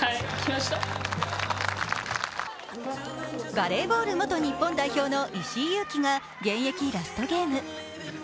バレーボール元日本代表の石井優希が現役ラストゲーム。